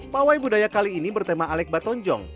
pawai budaya kali ini bertema alex batonjong